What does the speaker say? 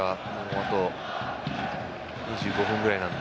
あと２５分ぐらいなので。